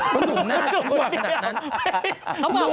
เพราะหนุ่มหน้าชั่วขนาดนั้นอ่ะ